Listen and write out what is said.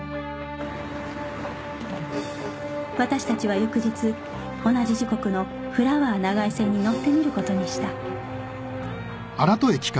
私達は翌日同じ時刻のフラワー長井線に乗ってみることにした